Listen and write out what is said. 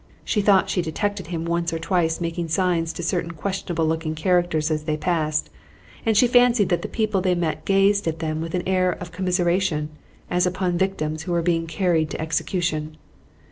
She thought she detected him once or twice making signs to certain questionable looking characters as they passed; and she fancied that the people they met gazed at them with an air of commiseration, as upon victims who were being carried to execution.